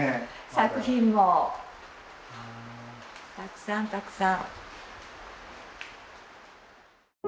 作品もたくさんたくさん。